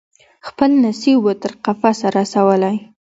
خپل نصیب وو تر قفسه رسولی